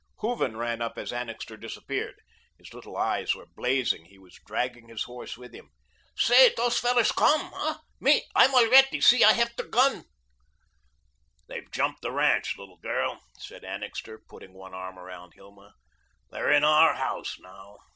Hooven ran up as Annixter disappeared. His little eyes were blazing, he was dragging his horse with him. "Say, dose fellers come, hey? Me, I'm alretty, see I hev der guhn." "They've jumped the ranch, little girl," said Annixter, putting one arm around Hilma. "They're in our house now.